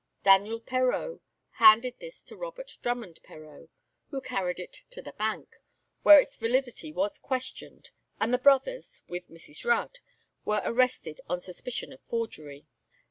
Daniel Perreau handed this to Robert Drummond Perreau, who carried it to the Bank, where its validity was questioned, and the brothers, with Mrs. Rudd, were arrested on suspicion of forgery.